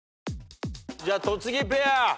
じゃあ戸次ペア。